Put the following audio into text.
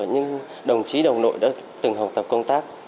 những đồng chí đồng đội đã từng học tập công tác